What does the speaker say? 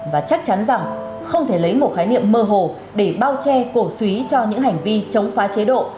và chắc chắn rằng không thể lấy một khái niệm mơ hồ để bao che cổ suý cho những hành vi chống phá chế độ